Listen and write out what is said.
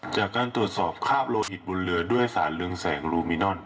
จากการตรวจสอบคาบโลหิตบนเรือด้วยสารเรืองแสงลูมินอน